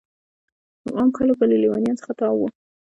عام خلک به له لیونیانو څخه تاو وو.